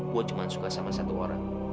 gua cuman suka sama satu orang